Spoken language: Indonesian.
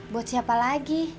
buat siapa lagi